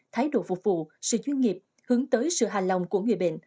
thái độ phục vụ sự chuyên nghiệp hướng tới sự hài lòng của người bệnh